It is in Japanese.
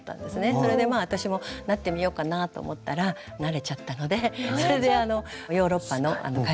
それで私もなってみようかなぁと思ったらなれちゃったのでそれでヨーロッパの会社でしたけどもそこで勤めて。